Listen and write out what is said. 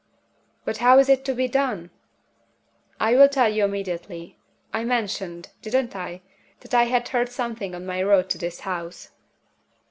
"But how is it to be done?" "I will tell you immediately. I mentioned didn't I? that I had heard something on my road to this house."